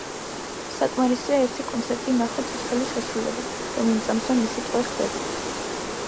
საკმარისია ერთი კონცერტი ნახო ცოცხალი შესრულებით, რომ იმ წამსვე მისი ტყვე ხდები.